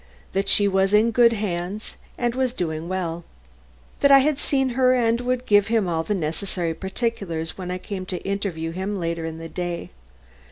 That she was in good hands and was doing well. That I had seen her and would give him all necessary particulars when I came to interview him later in the day.